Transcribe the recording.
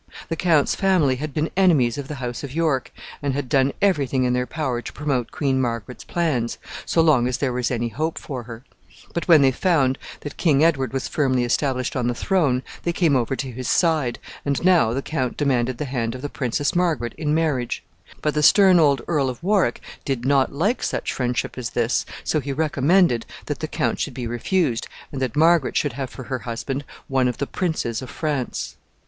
The count's family had been enemies of the house of York, and had done every thing in their power to promote Queen Margaret's plans, so long as there was any hope for her; but when they found that King Edward was firmly established on the throne, they came over to his side, and now the count demanded the hand of the Princess Margaret in marriage; but the stern old Earl of Warwick did not like such friendship as this, so he recommended that the count should be refused, and that Margaret should have for her husband one of the princes of France.